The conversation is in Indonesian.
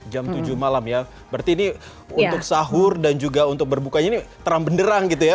jam tujuh malam ya berarti ini untuk sahur dan juga untuk berbukanya ini terang benderang gitu ya